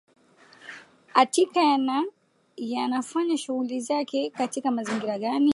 atika yana yanafanya shughuli zake katika mazingira gani